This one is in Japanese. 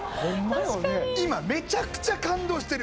今めちゃくちゃ感動してる。